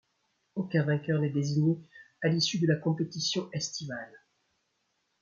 Aucun vainqueur n'est désigné à l'issue de la compétition estivale.